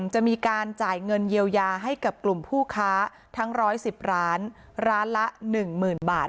๑จะมีการจ่ายเงินเยียวยาให้กับกลุ่มผู้ค้าทั้งร้อยสิบร้านร้านละหนึ่งหมื่นบาท